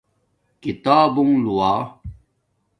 کتابونݣ لووہ